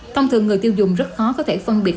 thông thường người tiêu dùng rất khó có thể phân biệt